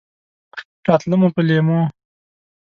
راتله مو په لېمو!